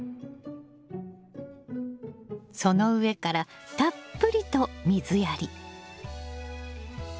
その上からたっぷりと水やり。